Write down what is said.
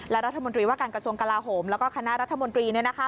และรัฐมนตรีว่าการกระทรวงกลาโหมแล้วก็คณะรัฐมนตรี